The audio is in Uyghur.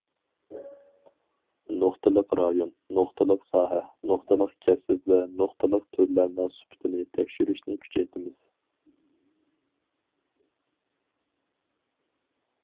نۇقتىلىق رايون، نۇقتىلىق ساھە، نۇقتىلىق كەسىپ ۋە نۇقتىلىق تۈرلەرنىڭ سۈپىتىنى تەكشۈرۈشنى كۈچەيتىمىز.